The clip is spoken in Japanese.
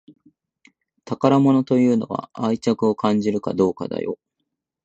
宝物というのは愛着を感じるかどうかだよ